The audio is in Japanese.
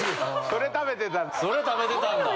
それ食べてたんだ。